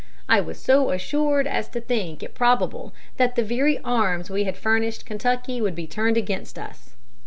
I was so assured as to think it probable that the very arms we had furnished Kentucky would be turned against us.